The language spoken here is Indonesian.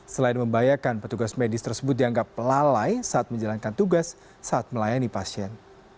selain membahayakan petugas medis tersebut dianggap lalai saat menjalankan tugas saat melayani pasien